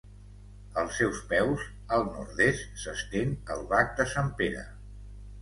Als seus peus, al nord-est, s'estén el Bac de Sant Pere.